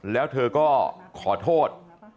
แล้วเธอก็ขอโทษ